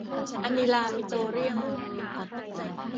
อานีลาปิโตรเลียม